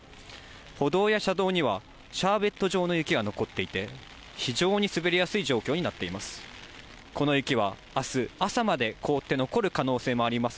歩道や車道にはシャーベット状の雪が残っていて、非常に滑りやすい状況になっています。